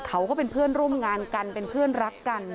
เขาก็เป็นเพื่อนร่วมงานกันเป็นเพื่อนรักกัน